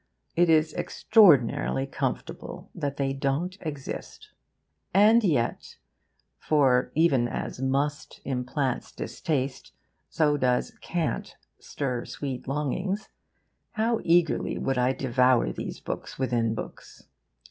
It is extraordinarily comfortable that they don't exist. And yet for, even as Must implants distaste, so does Can't stir sweet longings how eagerly would I devour these books within books!